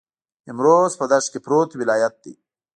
نیمروز په دښت کې پروت ولایت دی.